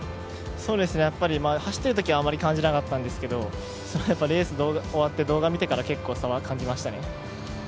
走っているときはあんまり感じなかったんですけど、レースが終わって動画見てから結構差は感じましたね。